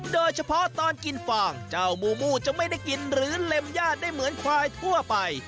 โดยเฉพาะตอนกินฟางเจ้ามูมูจะไม่ได้กินหรือเล็มญาติได้เหมือนควายทั่วไป